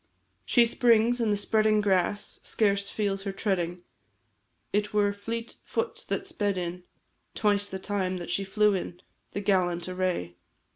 She springs, and the spreading grass Scarce feels her treading, It were fleet foot that sped in Twice the time that she flew in. The gallant array!